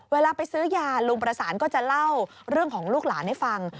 เวลาไปซื้อยาลุงประสานก็จะเล่าเรื่องของลูกหลานให้ฟัง